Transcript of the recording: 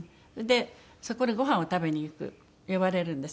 そこにごはんを食べに行く呼ばれるんです